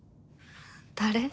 誰？